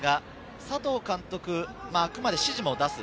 佐藤監督、あくまで指示を出す。